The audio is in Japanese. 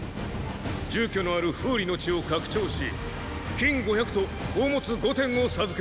住居のある風利の地を拡張し金五百と宝物五点を授ける！